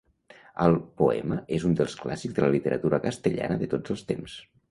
El poema és un dels clàssics de la literatura castellana de tots els temps.